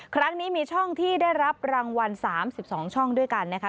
ครั้งนี้มีช่องที่ได้รับรางวัล๓๒ช่องด้วยกันนะคะ